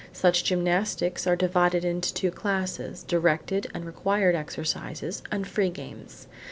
Such gymnastics are divided into two classes: directed and required exercises, and free games.